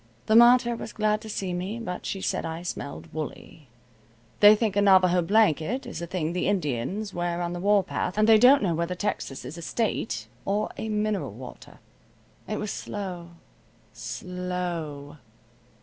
The mater was glad to see me, but she said I smelled woolly. They think a Navajo blanket is a thing the Indians wear on the war path, and they don't know whether Texas is a state, or a mineral water. It was slow slow.